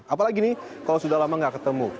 apalagi nih kalau sudah lama nggak ketemu